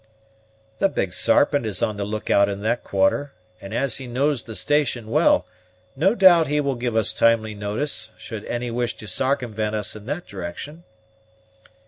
"The Big Sarpent is on the look out in that quarter; and as he knows the station well, no doubt he will give us timely notice, should any wish to sarcumvent us in that direction."